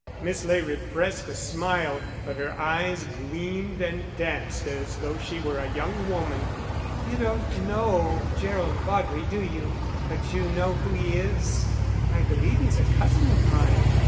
Miss Ley repressed a smile, but her eyes gleamed and danced as though she were a young woman. "You don't know Gerald Vaudrey, do you? But you know who he is." "I believe he's a cousin of mine."